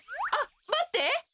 あっまって！